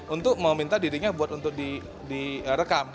untuk meminta dirinya buat untuk direkam